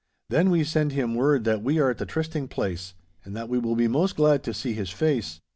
Then we send him word that we are at the trysting place, and that we will be most glad to see his face.